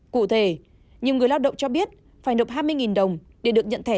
cụ thể nhiều người lao động cho biết phải nộp hai mươi đồng để được nhận thẻ